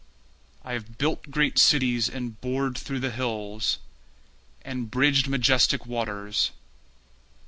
I have built great cities and bored through the hills, And bridged majestic waters.